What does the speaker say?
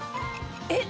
えっ？